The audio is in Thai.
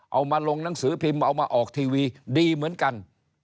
เอามาลงหนังสือพิมพ์เอามาออกทีวีดีเหมือนกัน